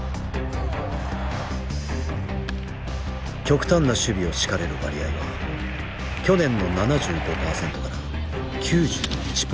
極端な守備を敷かれる割合は去年の７５％から９１％に上昇。